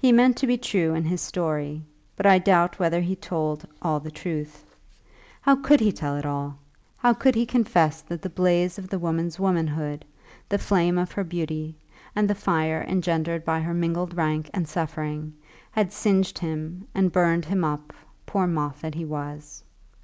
He meant to be true in his story, but I doubt whether he told all the truth. How could he tell it all? How could he confess that the blaze of the woman's womanhood, the flame of her beauty, and the fire engendered by her mingled rank and suffering, had singed him and burned him up, poor moth that he was?